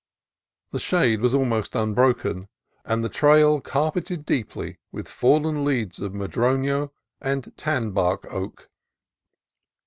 The shade was almost unbroken, and the trail carpeted deeply with fallen leaves of ma drono and tan bark oak.